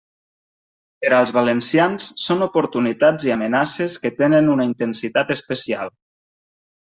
Per als valencians són oportunitats i amenaces que tenen una intensitat especial.